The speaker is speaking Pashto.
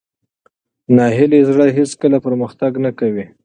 ناهیلي زړه هېڅکله پرمختګ نه کوي.